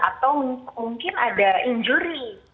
atau mungkin ada injury